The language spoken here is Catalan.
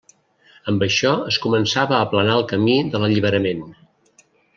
Amb això es començava a aplanar el camí de l'alliberament.